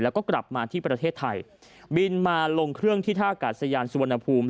แล้วก็กลับมาที่ประเทศไทยบินมาลงเครื่องที่ท่ากาศยานสุวรรณภูมิ